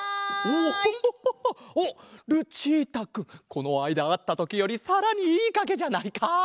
このあいだあったときよりさらにいいかげじゃないか！